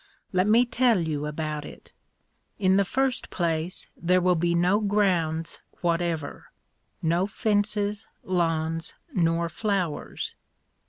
Let me tell you about it. In the first place, there will be no grounds whatever, no fences, lawns, nor flowers.